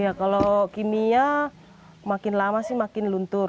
ya kalau kimia makin lama sih makin luntur